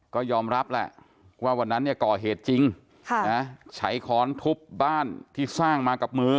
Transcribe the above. ก็ยอมรับแหละว่าวันนั้นเนี่ยก่อเหตุจริงใช้ค้อนทุบบ้านที่สร้างมากับมือ